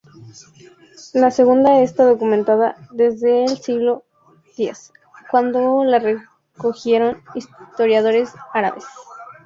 La segunda está documentada desde el siglo X, cuando la recogieron historiadores árabes.